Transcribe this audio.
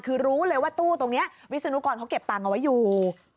คือรู้เลยว่าตู้ตรงนี้วิศนุกรเขาเก็บตังค์เอาไว้อยู่